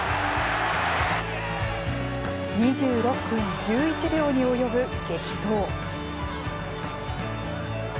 ２６分１１秒に及ぶ激闘。